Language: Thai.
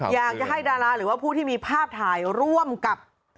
อยากจะให้ดาราหรือว่าผู้ที่มีภาพถ่ายร่วมกับ